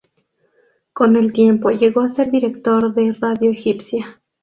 Con el tiempo llegó a ser Director de Radio Egipcia.